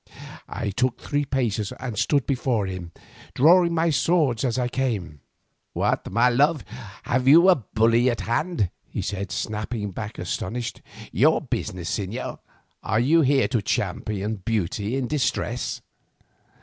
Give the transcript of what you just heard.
I took three paces and stood before him, drawing my sword as I came. "What, my dove, have you a bully at hand?" he said stepping back astonished. "Your business, señor? Are you here to champion beauty in distress?"